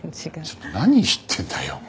ちょっと何言ってんだよ！